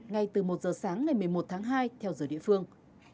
ngay từ một giờ sáng ngày một mươi một tháng hai theo giờ địa phương